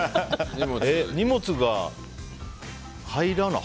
荷物が入らない。